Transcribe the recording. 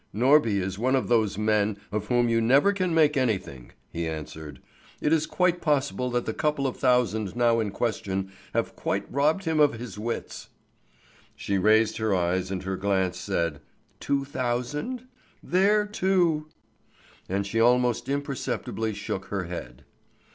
"Norby is one of those men of whom you never can make anything," he answered. "It is quite possible that the couple of thousand now in question have quite robbed him of his wits." She raised her eyes, and her glance said: "Two thousand? There too!" And she almost imperceptibly shook her head.